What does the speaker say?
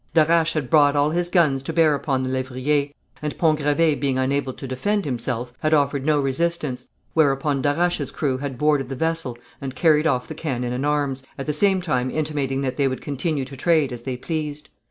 Darache had brought all his guns to bear upon the Lévrier, and Pont Gravé being unable to defend himself, had offered no resistance, whereupon Darache's crew had boarded the vessel and carried off the cannon and arms, at the same time intimating that they would continue to trade as they pleased.